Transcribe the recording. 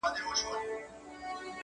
ما په سترګو خر لیدلی پر منبر دی!!